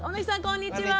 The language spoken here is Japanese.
こんにちは！